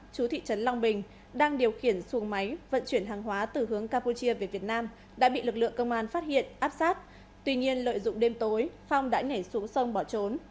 chú thị trấn long bình đang điều khiển xuồng máy vận chuyển hàng hóa từ hướng campuchia về việt nam đã bị lực lượng công an phát hiện áp sát tuy nhiên lợi dụng đêm tối phong đã nhảy xuống sông bỏ trốn